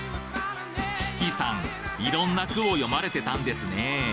子規さんいろんな句を詠まれてたんですねぇ